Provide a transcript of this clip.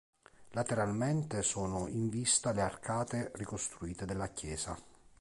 Lateralmente sono in vista le arcate ricostruite della chiesa.